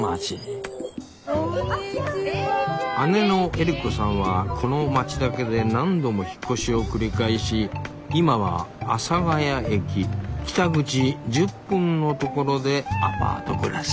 姉のエリコさんはこの町だけで何度も引っ越しを繰り返し今は阿佐ヶ谷駅北口１０分のところでアパート暮らし。